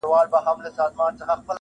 نن دي سترګو کي تصویر را سره خاندي,